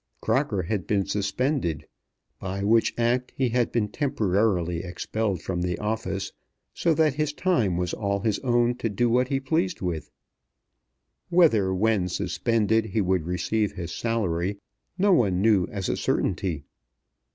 Crocker had been suspended; by which act he had been temporarily expelled from the office, so that his time was all his own to do what he pleased with it. Whether when suspended he would receive his salary, no one knew as a certainty.